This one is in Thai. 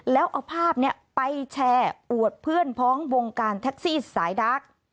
แล้วเอาภาพนี้ไปแชร์อวดเพื่อนพ้องวงการแท็กซี่สายดัก